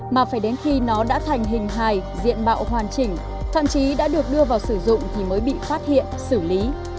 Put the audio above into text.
mà phải đến khi nó đã thành hình hài diện bạo hoàn chỉnh thậm chí đã được đưa vào sử dụng thì mới bị phát hiện xử lý